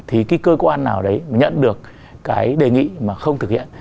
thì cái cơ quan nào đấy mà nhận được cái đề nghị mà không thực hiện